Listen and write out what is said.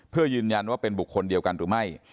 เพื่อยืนยันว่าเป็นบุคคลเดียวกันหรือไม่